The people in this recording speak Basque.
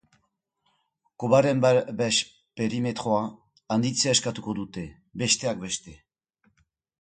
Kobaren babes perimetroa handitzea eskatuko dute, besteak beste.